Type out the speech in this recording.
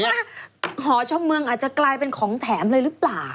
หอชมเมืองอาจจะกลายเป็นของแถมเลยหรือเปล่า